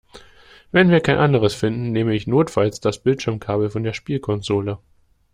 Wenn wir kein anderes finden, nehme ich notfalls das Bildschirmkabel von der Spielkonsole.